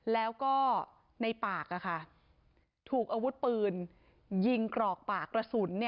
แล้วก็ในปากถูกอาวุธปืนยิงกรอกปากกระสุน